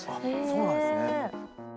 そうなんですね。